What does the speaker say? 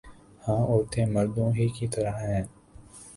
ہاں عورتیں مردوں ہی کی طرح ہیں